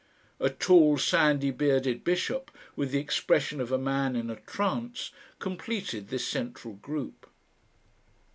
A tall sandy bearded bishop with the expression of a man in a trance completed this central group.